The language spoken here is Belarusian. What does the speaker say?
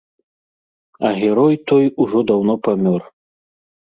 А герой той ужо даўно памёр.